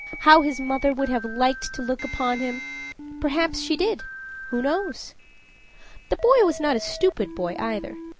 How his mother would have liked to look at him! Perhaps she did who knows? The boy was not a stupid boy either.